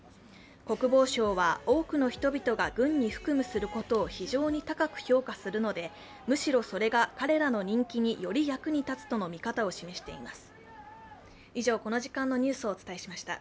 国防相は、多くの人々が軍に服務することを非常に高く評価するのでむしろ、それが彼らの人気により役に立つとの見方を示しています。